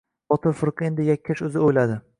Botir firqa endi... yakkash o‘zi o‘yladi.